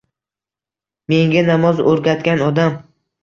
Menga namoz urgatgan odam